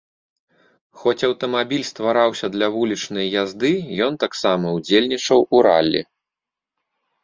Хоць аўтамабіль ствараўся для вулічнай язды, ён таксама ўдзельнічаў у ралі.